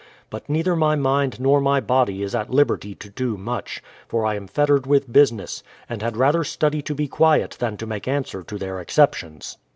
But neither my mind nor my body is at liberty to do much, for I am fettered with business, and had rather study to be quiet than to make answer to their exceptions.